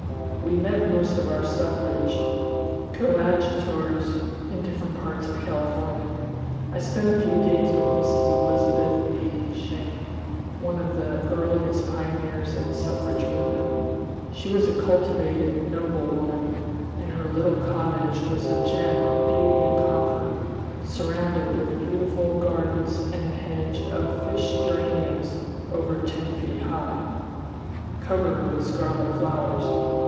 We met most of our suffrage coadjutors in different parts of California. I spent a few days with Mrs. Elizabeth B. Schenck, one of the earliest pioneers in the suffrage movement. She was a cultivated, noble woman, and her little cottage was a gem of beauty and comfort, surrounded with beautiful gardens and a hedge of fish geraniums over ten feet high, covered with scarlet flowers.